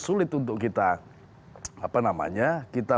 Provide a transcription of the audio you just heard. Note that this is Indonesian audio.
sulit untuk kita